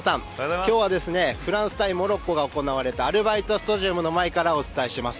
今日はフランス対モロッコが行われたアルバイトスタジアムの前からお伝えします。